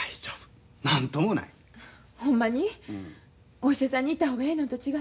お医者さんに行った方がええのんと違う？